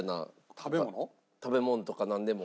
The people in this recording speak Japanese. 食べ物とかなんでも。